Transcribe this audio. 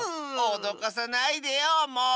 おどかさないでよもう！